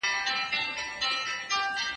موږ چي ول بالا به ميوه خوږه وي باره تروه وه